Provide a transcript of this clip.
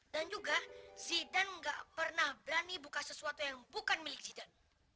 dan juga zidan gak pernah berani buka sesuatu yang bukan milik zidan